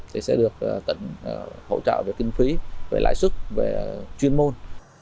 thì sẽ được tỉnh hỗ trợ về kinh phí về lãi xuất về chuyên môn